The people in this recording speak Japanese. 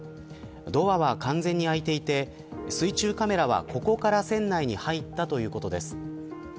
ドアは完全に開いていて水中カメラは、ここから船内に入ったということです。